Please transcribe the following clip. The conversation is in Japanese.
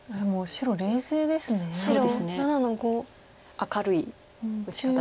明るい打ち方です。